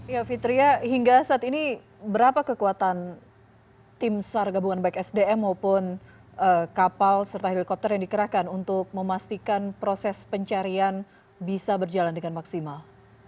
ya fitria hingga saat ini berapa kekuatan tim sar gabungan baik sdm maupun kapal serta helikopter yang dikerahkan untuk memastikan proses pencarian bisa berjalan dengan maksimal